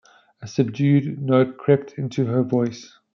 A subdued note crept into her voice.